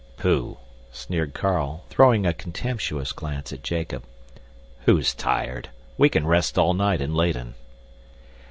"Pooh!" sneered Carl, throwing a contemptuous glance at Jacob. "Who's tired? We can rest all night in Leyden."